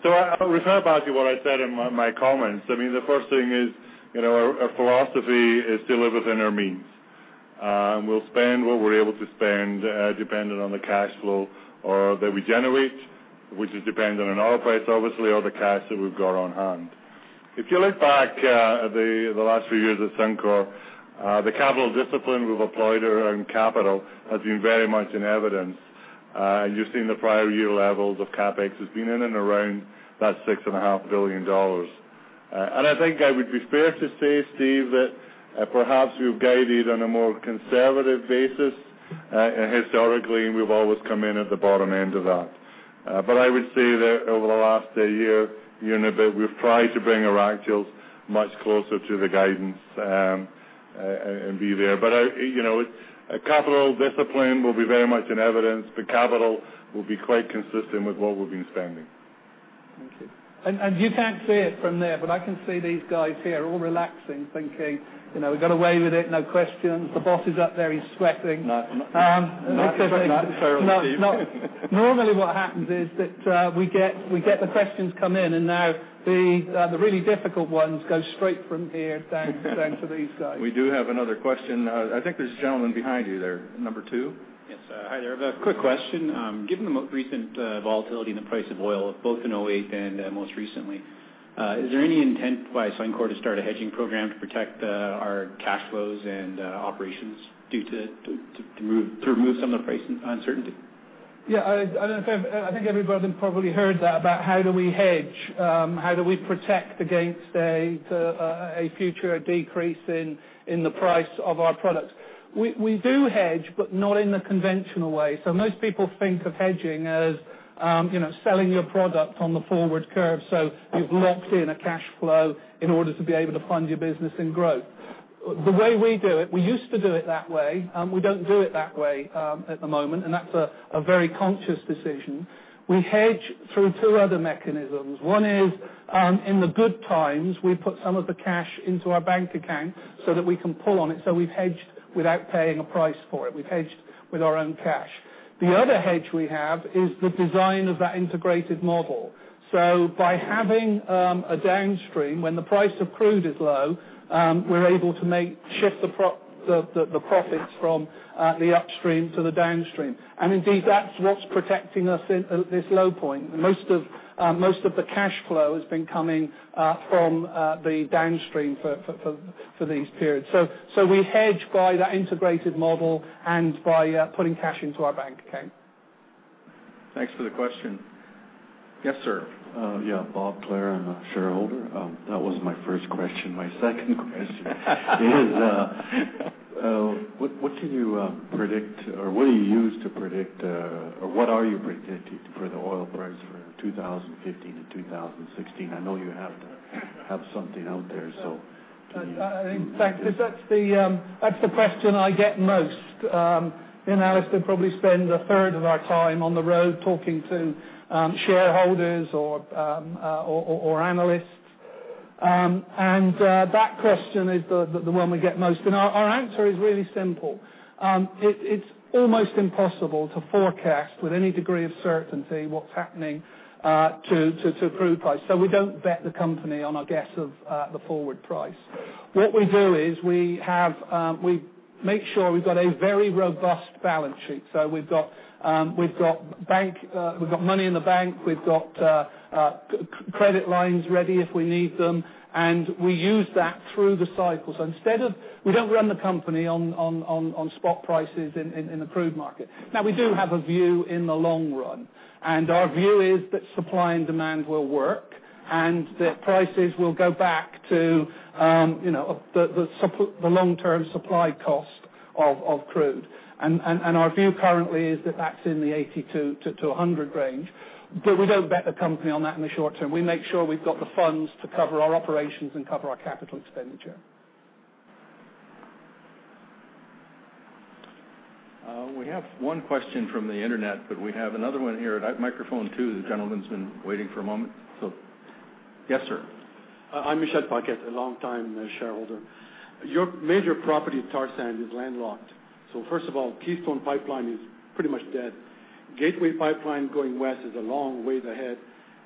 Speaker 14: I refer back to what I said in my comments. The first thing is our philosophy is deliver within our means. We'll spend what we're able to spend dependent on the cash flow, or that we generate, which is dependent on oil price, obviously, or the cash that we've got on hand. If you look back at the last few years at Suncor, the capital discipline we've applied around capital has been very much in evidence. You've seen the prior year levels of CapEx has been in and around that 6.5 billion dollars. I think I would be fair to say, Steve, that perhaps we've guided on a more conservative basis. Historically, we've always come in at the bottom end of that. I would say that over the last year, *inaudible* that we've tried to bring our actuals much closer to the guidance and be there. Capital discipline will be very much in evidence. The capital will be quite consistent with what we've been spending.
Speaker 13: Thank you. You can't see it from there, but I can see these guys here all relaxing, thinking, we got away with it, no questions. The boss is up there, he's sweating.
Speaker 14: No, I'm not. Not necessarily, Steve.
Speaker 13: Normally what happens is that we get the questions come in, and now the really difficult ones go straight from ear down to these guys.
Speaker 1: We do have another question. I think there's a gentleman behind you there. Number 2?
Speaker 10: Yes. Hi there. I have a quick question. Given the most recent volatility in the price of oil, both in 2008 and most recently, is there any intent by Suncor to start a hedging program to protect our cash flows and operations to remove some of the price uncertainty?
Speaker 13: Yeah. I think everybody probably heard that about how do we hedge, how do we protect against a future decrease in the price of our products. We do hedge, but not in the conventional way. Most people think of hedging as selling your product on the forward curve. You've locked in a cash flow in order to be able to fund your business and growth. The way we do it, we used to do it that way. We don't do it that way at the moment. That's a very conscious decision. We hedge through two other mechanisms. One is, in the good times, we put some of the cash into our bank account so that we can pull on it. We've hedged without paying a price for it. We've hedged with our own cash. The other hedge we have is the design of that integrated model. By having a downstream, when the price of crude is low, we're able to shift the profits from the upstream to the downstream. Indeed, that's what's protecting us at this low point. Most of the cash flow has been coming from the downstream for these periods. We hedge by that integrated model and by putting cash into our bank account.
Speaker 1: Thanks for the question. Yes, sir.
Speaker 17: Yeah. Bob Claire, I'm a shareholder. That was my first question. My second question is, what can you predict, or what do you use to predict, or what are you predicting for the oil price for 2015 to 2016? I know you have to have something out there. Can you?
Speaker 13: In fact, that's the question I get most. Alister probably spends a third of our time on the road talking to shareholders or analysts. That question is the one we get most. Our answer is really simple. It's almost impossible to forecast with any degree of certainty what's happening to crude price. We don't bet the company on our guess of the forward price. What we do is we make sure we've got a very robust balance sheet. We've got money in the bank. We've got credit lines ready if we need them, and we use that through the cycle. We don't run the company on spot prices in the crude market. We do have a view in the long run, and our view is that supply and demand will work, and that prices will go back to the long-term supply cost of crude. Our view currently is that that's in the 80-100 range. We don't bet the company on that in the short term. We make sure we've got the funds to cover our operations and cover our capital expenditure.
Speaker 1: We have one question from the Internet, but we have another one here at microphone two. The gentleman's been waiting for a moment. Yes, sir.
Speaker 18: I'm Michelle Paquette, a longtime shareholder. Your major property, oil sands, is landlocked. First of all, Keystone Pipeline is pretty much dead. Gateway Pipeline going west is a long way ahead,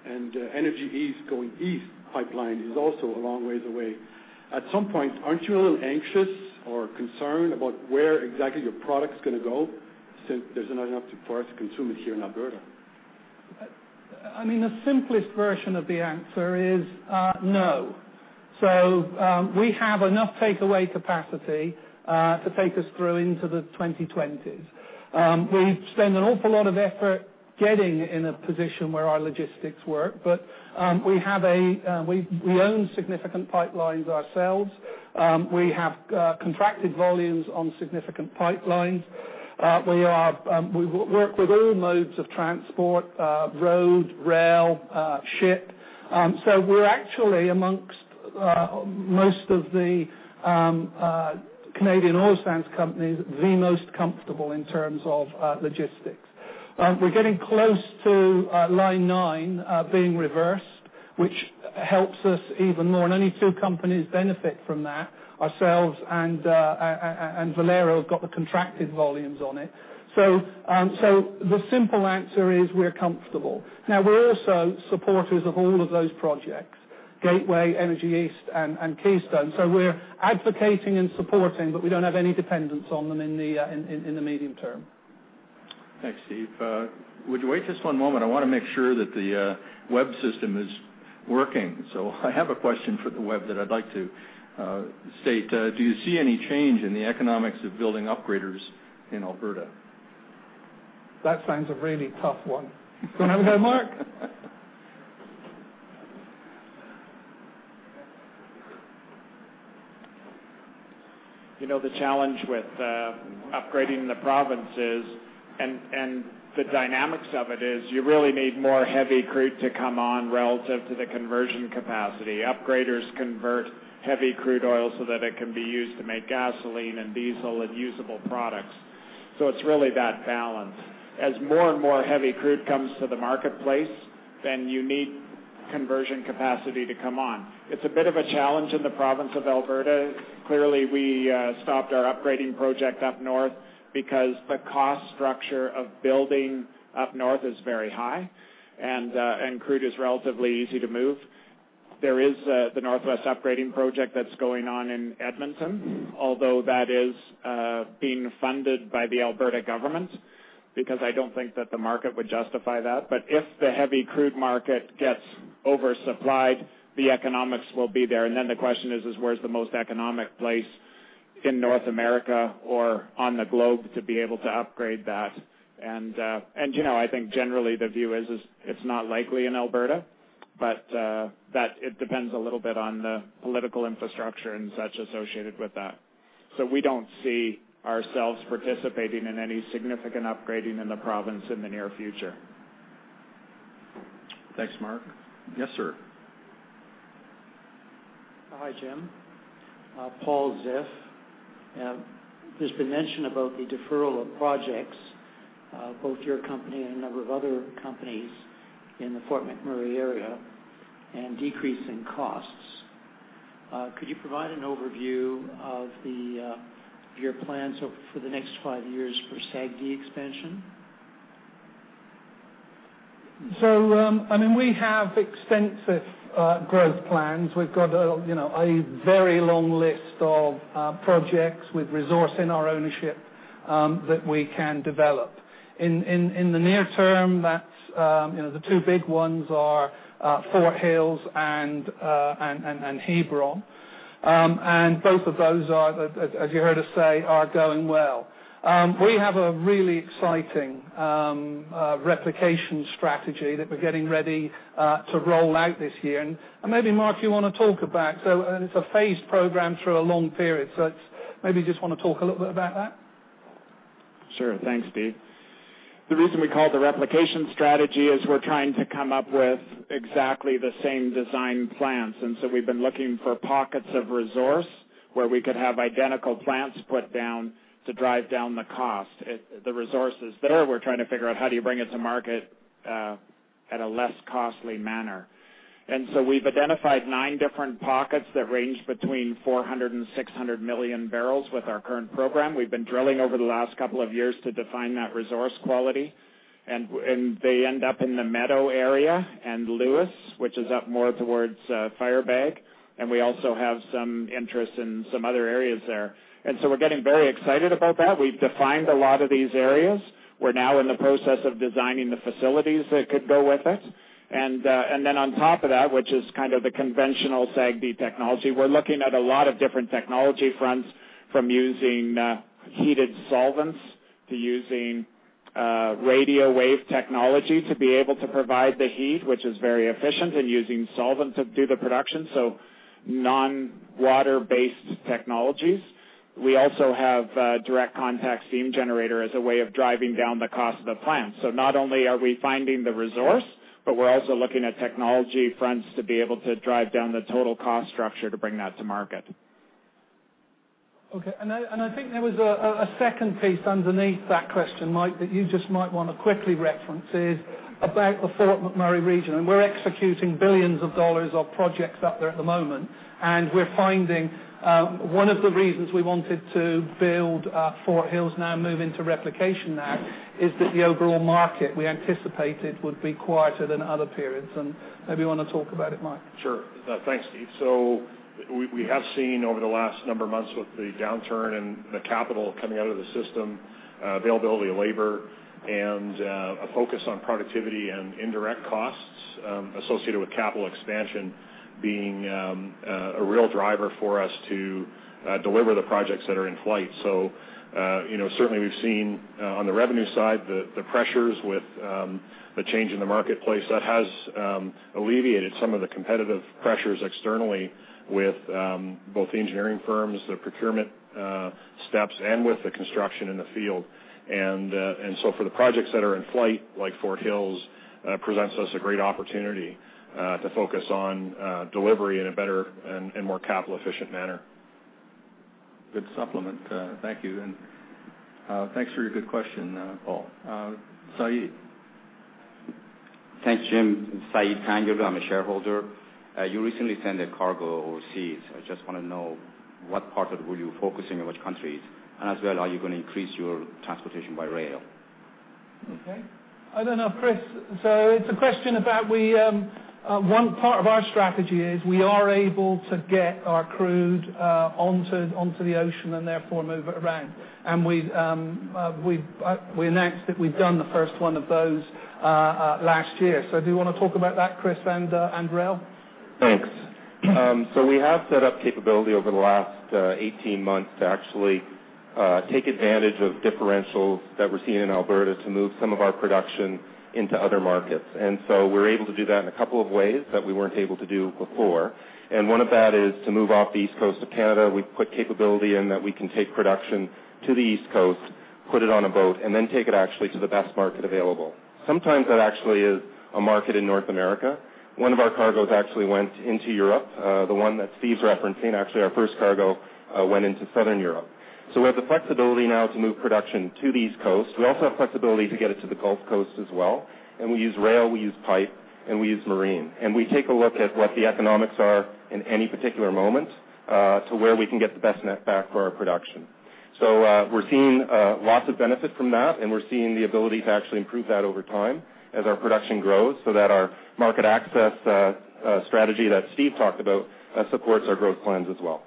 Speaker 18: and Energy East, going east pipeline, is also a long way away. At some point, aren't you a little anxious or concerned about where exactly your product's going to go since there's not enough *inaudible* to consume it here in Alberta?
Speaker 13: The simplest version of the answer is no. We have enough takeaway capacity to take us through into the 2020s. We spend an awful lot of effort getting in a position where our logistics work. We own significant pipelines ourselves. We have contracted volumes on significant pipelines. We work with all modes of transport: road, rail, ship. We're actually, amongst most of the Canadian oil sands companies, the most comfortable in terms of logistics. We're getting close to Line 9 being reversed, which helps us even more. Only two companies benefit from that, ourselves and Valero's got the contracted volumes on it. The simple answer is we're comfortable. Now, we're also supporters of all of those projects, Gateway, Energy East, and Keystone. We're advocating and supporting, but we don't have any dependence on them in the medium term.
Speaker 1: Thanks, Steve. Would you wait just one moment? I want to make sure that the web system is working. I have a question for the web that I'd like to state. Do you see any change in the economics of building upgraders in Alberta?
Speaker 13: That sounds a really tough one. Do you want to have a go, Mark?
Speaker 19: The challenge with upgrading the province is, and the dynamics of it is, you really need more heavy crude to come on relative to the conversion capacity. Upgraders convert heavy crude oil so that it can be used to make gasoline and diesel and usable products. It's really that balance. As more and more heavy crude comes to the marketplace, you need conversion capacity to come on. It's a bit of a challenge in the province of Alberta. Clearly, we stopped our upgrading project up north because the cost structure of building up north is very high, and crude is relatively easy to move. There is the North West Upgrading project that's going on in Edmonton, although that is being funded by the Alberta government because I don't think that the market would justify that. If the heavy crude market gets oversupplied, the economics will be there. The question is, where's the most economic place in North America or on the globe to be able to upgrade that. I think generally the view is it's not likely in Alberta, but that it depends a little bit on the political infrastructure and such associated with that. We don't see ourselves participating in any significant upgrading in the province in the near future.
Speaker 1: Thanks, Mark. Yes, sir.
Speaker 20: Hi, Jim. Paul Ziff. There's been mention about the deferral of projects, both your company and a number of other companies in the Fort McMurray area, and decrease in costs. Could you provide an overview of your plans for the next five years for SAGD expansion?
Speaker 13: We have extensive growth plans. We've got a very long list of projects with resource in our ownership, that we can develop. In the near term, the two big ones are Fort Hills and Hebron. Both of those are, as you heard us say, are going well. We have a really exciting replication strategy that we're getting ready to roll out this year. Maybe, Mark, you want to talk about. It's a phased program through a long period. Maybe just want to talk a little bit about that.
Speaker 19: Sure. Thanks, Steve. The reason we call it the replication strategy is we're trying to come up with exactly the same design plans. We've been looking for pockets of resource where we could have identical plans put down to drive down the cost. The resources there, we're trying to figure out how do you bring it to market at a less costly manner. We've identified nine different pockets that range between 400 million and 600 million barrels with our current program. We've been drilling over the last couple of years to define that resource quality, and they end up in the Meadow area and Lewis, which is up more towards Firebag, and we also have some interest in some other areas there. We're getting very excited about that. We've defined a lot of these areas. We're now in the process of designing the facilities that could go with it. On top of that, which is kind of the conventional SAGD technology, we're looking at a lot of different technology fronts, from using heated solvents to using radio wave technology to be able to provide the heat, which is very efficient in using solvent to do the production. Non-water-based technologies. We also have direct contact steam generator as a way of driving down the cost of the plant. Not only are we finding the resource, but we're also looking at technology fronts to be able to drive down the total cost structure to bring that to market.
Speaker 13: Okay. I think there was a second piece underneath that question, Mike, that you just might want to quickly reference, is about the Fort McMurray region. We're executing billions dollars of projects up there at the moment. We're finding one of the reasons we wanted to build Fort Hills now and move into replication now is that the overall market, we anticipated, would be quieter than other periods. Maybe you want to talk about it, Mike?
Speaker 21: Sure. Thanks, Steve. We have seen over the last number of months with the downturn and the capital coming out of the system, availability of labor and a focus on productivity and indirect costs associated with capital expansion being a real driver for us to deliver the projects that are in flight. Certainly we've seen on the revenue side, the pressures with the change in the marketplace. That has alleviated some of the competitive pressures externally with both the engineering firms, the procurement steps, and with the construction in the field. For the projects that are in flight, like Fort Hills, presents us a great opportunity to focus on delivery in a better and more capital efficient manner.
Speaker 13: Good supplement. Thank you. Thanks for your good question, Paul. Saeed?
Speaker 22: Thanks, Jim. Saeed Tangir, I'm a shareholder. You recently sent a cargo overseas. I just want to know what part of were you focusing and which countries. As well, are you going to increase your transportation by rail?
Speaker 13: Okay. I don't know, Kris. It's a question about one part of our strategy is we are able to get our crude onto the ocean and therefore move it around. We announced that we've done the first one of those last year. Do you want to talk about that, Kris and Rail?
Speaker 23: Thanks. We have set up capability over the last 18 months to actually take advantage of differentials that we are seeing in Alberta to move some of our production into other markets. We are able to do that in a couple of ways that we were not able to do before. One of that is to move off the East Coast of Canada. We put capability in that we can take production to the East Coast, put it on a boat, and then take it actually to the best market available. Sometimes that actually is a market in North America. One of our cargoes actually went into Europe. The one that Steve's referencing, actually our first cargo, went into Southern Europe. We have the flexibility now to move production to the East Coast. We also have flexibility to get it to the Gulf Coast as well. We use rail, we use pipe, and we use marine. We take a look at what the economics are in any particular moment, to where we can get the best netback for our production. We are seeing lots of benefit from that, and we are seeing the ability to actually improve that over time as our production grows so that our market access strategy that Steve talked about supports our growth plans as well.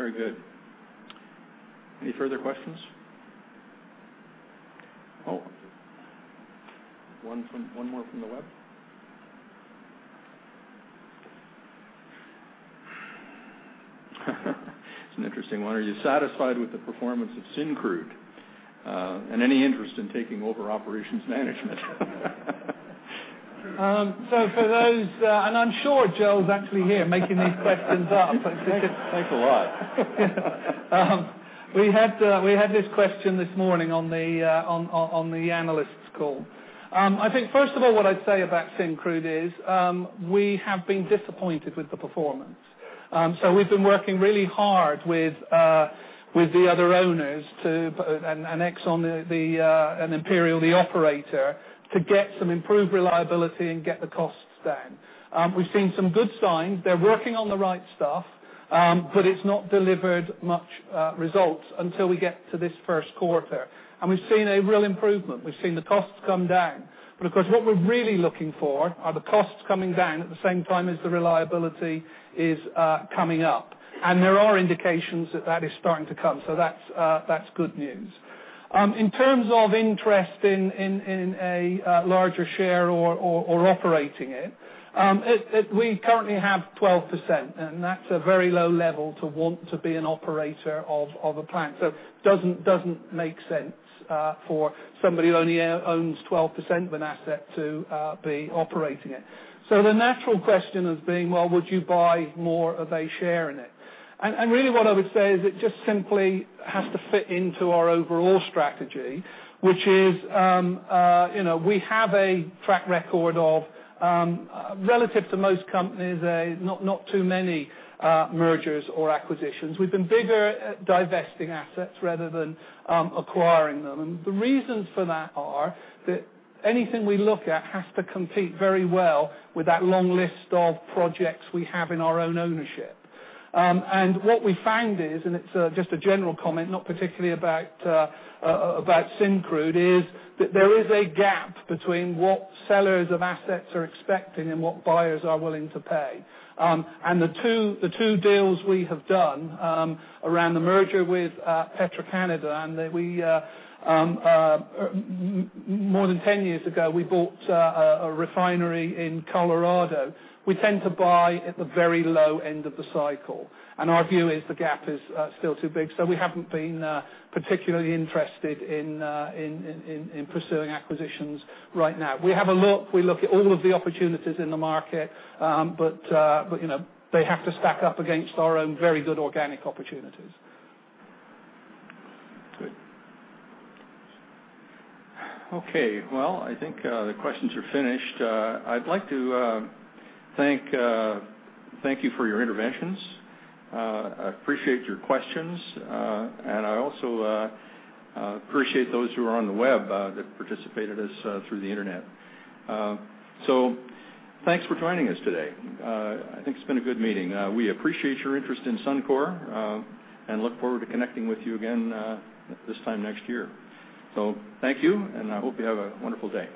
Speaker 13: Very good. Any further questions?
Speaker 1: One more from the web. It is an interesting one. Are you satisfied with the performance of Syncrude, and any interest in taking over operations management?
Speaker 13: I'm sure Joe's actually here making these questions up.
Speaker 1: Thanks a lot.
Speaker 13: We had this question this morning on the analyst's call. I think, first of all, what I'd say about Syncrude is we have been disappointed with the performance. We've been working really hard with the other owners, Exxon and Imperial, the operator, to get some improved reliability and get the costs down. We've seen some good signs. They're working on the right stuff, it's not delivered much results until we get to this first quarter. We've seen a real improvement. We've seen the costs come down. Of course, what we're really looking for are the costs coming down at the same time as the reliability is coming up. There are indications that that is starting to come. That's good news. In terms of interest in a larger share or operating it, we currently have 12%, that's a very low level to want to be an operator of a plant. It doesn't make sense for somebody who only owns 12% of an asset to be operating it. The natural question is being, well, would you buy more of a share in it? Really what I would say is it just simply has to fit into our overall strategy, which is we have a track record of relative to most companies, not too many mergers or acquisitions. We've been bigger at divesting assets rather than acquiring them. The reasons for that are that anything we look at has to compete very well with that long list of projects we have in our own ownership. What we found is, and it's just a general comment, not particularly about Syncrude, is that there is a gap between what sellers of assets are expecting and what buyers are willing to pay. The two deals we have done around the merger with Petro-Canada, and more than 10 years ago, we bought a refinery in Colorado. We tend to buy at the very low end of the cycle. Our view is the gap is still too big. We haven't been particularly interested in pursuing acquisitions right now. We have a look. We look at all of the opportunities in the market. They have to stack up against our own very good organic opportunities.
Speaker 1: Good. Okay, well, I think the questions are finished. I'd like to thank you for your interventions. I appreciate your questions. I also appreciate those who are on the web that participated through the internet. Thanks for joining us today. I think it's been a good meeting. We appreciate your interest in Suncor and look forward to connecting with you again this time next year. Thank you, and I hope you have a wonderful day.